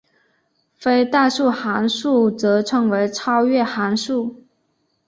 非代数函数则称为超越函数。